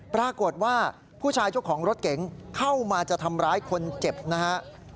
ปรากฏว่าผู้ชายช่วยของรถเก่งเข้ามาจะทำร้ายคนเจ็บนะครับ